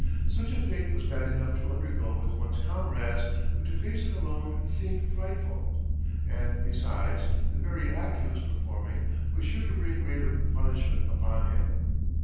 Such a fate was bad enough to undergo with one's comrades, but to face it alone seemed frightful. And besides, the very act he was performing was sure to bring greater punishment upon him.